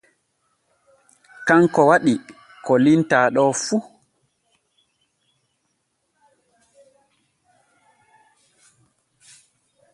Kanko waɗi ko limtaa ɗo fu.